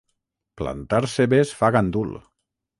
Plantar cebes fa gandul.